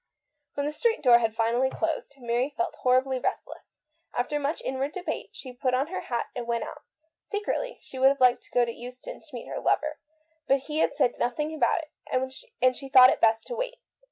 When the street door had finally closed, THE WOMAN WAITS. 151 Mary felt horribly restless. She put her hat on and went out. Secretly, she would have liked to go to Euston to meet her lover, but he had said nothing about it, and she thought it best to wait.